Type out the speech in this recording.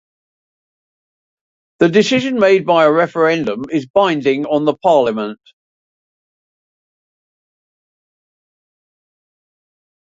The decision made by a referendum is binding on the Parliament.